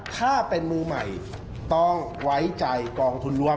ถ้าเป็นมือใหม่ต้องไว้ใจกองทุนรวม